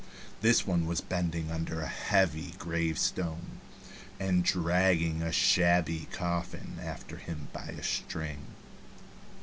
This one was bending under a heavy gravestone, and dragging a shabby coffin after him by a string.